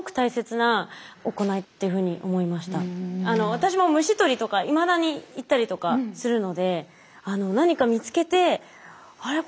私も虫取りとかいまだに行ったりとかするので何か見つけてあれ？